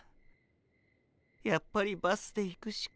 やっぱりバスで行くしかない。